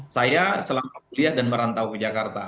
saya selama kuliah dan merantau ke jakarta